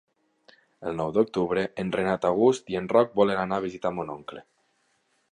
El nou d'octubre en Renat August i en Roc volen anar a visitar mon oncle.